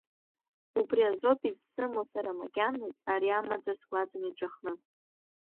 Убри азоуп изсымоу сара макьаназ ари амаӡа сгәаҵан иҵәахны.